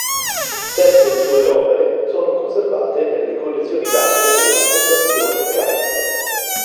Sette sue opere sono conservate nelle collezioni d'arte della Fondazione Cariplo.